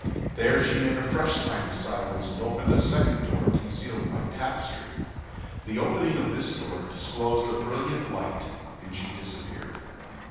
There she made a fresh sign of silence, and opened a second door concealed by tapestry. The opening of this door disclosed a brilliant light, and she disappeared.